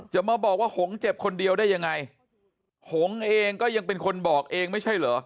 จะมาบอกว่าหงเจ็บคนเดียวได้ยังไงหงเองก็ยังเป็นคนบอกเองไม่ใช่เหรอ